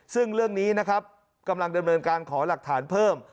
ซึ่งเรื่องนี้นะครับกำลังดำเนินการขอหลักฐานเพิ่ม